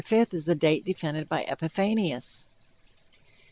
5th is the date defended by Epiphanius.